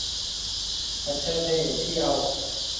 پڇيَ ٿَي هيٺ آئون۔